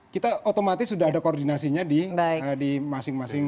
kita otomatis sudah ada koordinasinya di masing masing